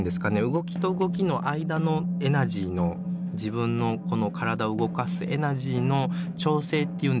動きと動きの間のエナジーの自分の体を動かすエナジーの調整っていうんでしょうか。